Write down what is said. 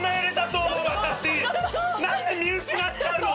何で見失っちゃうの？